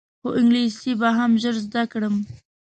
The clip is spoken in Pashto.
خو انګلیسي به هم ژر زده کړم.